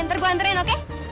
ntar gua nganterin oke